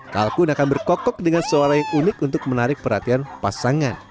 kalkun akan berkokok dengan suara yang unik untuk menarik perhatian pasangan